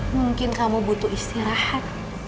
mungkin kamu butuh istirahat